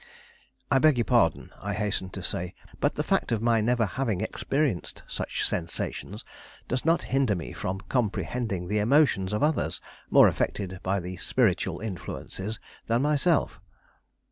"I beg your pardon," I hastened to say; "but the fact of my never having experienced such sensations does not hinder me from comprehending the emotions of others more affected by spiritual influences than myself."